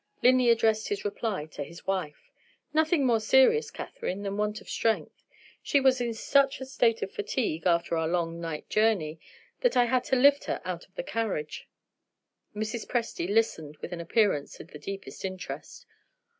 Linley addressed his reply to his wife: "Nothing more serious, Catherine, than want of strength. She was in such a state of fatigue, after our long night journey, that I had to lift her out of the carriage." Mrs. Presty listened with an appearance of the deepest interest.